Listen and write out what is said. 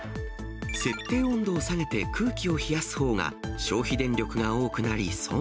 設定温度を下げて空気を冷やすほうが、消費電力が多くなり損。